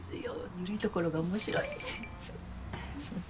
ゆるいところが面白い。